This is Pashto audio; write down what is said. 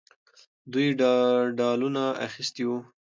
دوی ډالونه اخیستي وو.